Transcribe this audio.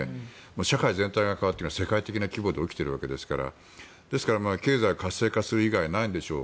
社会全体が変わっていくのは世界的な規模で起きているわけですからですから経済を活性化する以外にないんでしょう。